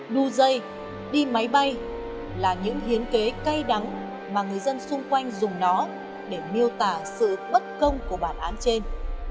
đu dây đi máy bay là những hiến kế cay đắng mà người dân xung quanh dùng nó để miêu tả sự bất công của bản án trên